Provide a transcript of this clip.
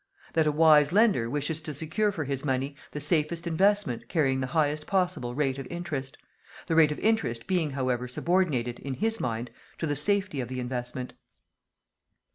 That a wise lender wishes to secure for his money the safest investment carrying the highest possible rate of interest; the rate of interest being however subordinated, in his mind, to the safety of the investment.